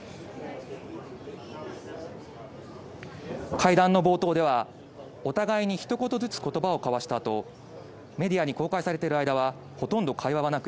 会談の冒頭ではお互いにひと言ずつ言葉を交わしたあとメディアに公開されている間はほとんど会話はなく